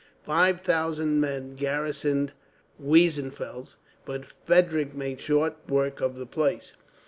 Five thousand men garrisoned Weissenfels, but Frederick made short work of the place.